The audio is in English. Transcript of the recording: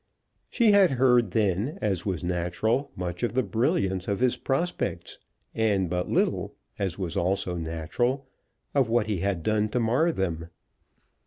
She had heard then, as was natural, much of the brilliance of his prospects, and but little, as was also natural, of what he had done to mar them.